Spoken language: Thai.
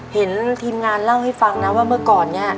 เห็นทีมงานเล่าให้ฟังนะว่าเมื่อก่อนเนี่ย